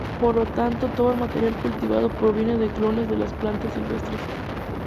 Por lo tanto todo el material cultivado proviene de clones de las plantas silvestres.